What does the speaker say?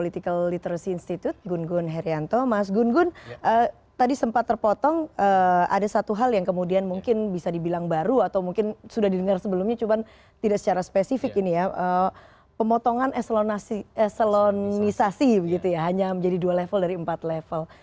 terima kasih begitu ya hanya menjadi dua level dari empat level